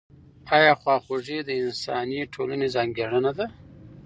آیا خواخوږي د انساني ټولنې ځانګړنه ده؟